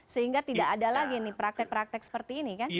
sehingga tidak ada lagi nih praktek praktek seperti ini kan